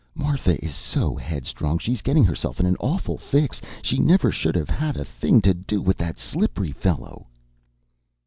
Martha is so headstrong! She's getting herself in an awful fix! She never should have had a thing to do with that Slippery fellow!"